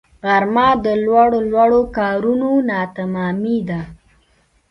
غرمه د لوړو لوړو کارونو ناتمامی ده